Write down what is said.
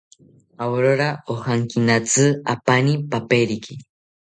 Aurora ojankinatzi apani peperiki